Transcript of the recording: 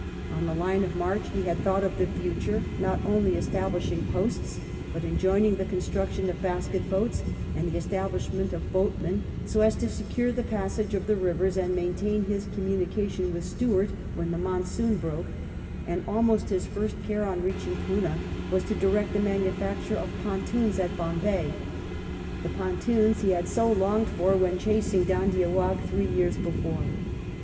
On the line of march he had thought of the future, not only establishing posts, but enjoining the construction of basket boat^ aad the enlistment of boatmen, so as to secure the passage of the rivers and maintain his communication with Stuart when the monsoon broke ; and almost his first care on reaching Poena was to direct the manufacture of pon toons at Bombay — the pontoons he had so longed for when chasing Dhoondiah Waugh three years before.